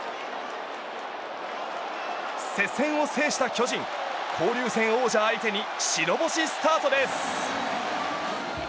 接戦を制した巨人交流戦王者相手に白星スタートです。